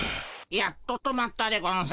やっと止まったでゴンス。